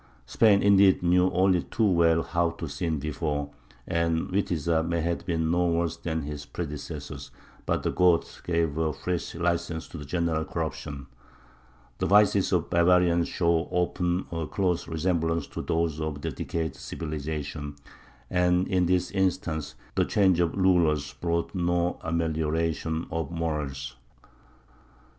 Spain, indeed, knew only too well how to sin before, and Witiza may have been no worse than his predecessors; but the Goths gave a fresh license to the general corruption. The vices of barbarians show often a close resemblance to those of decayed civilization, and in this instance the change of rulers brought no amelioration of morals.